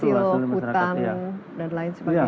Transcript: ya seluruh hutan dan lain sebagainya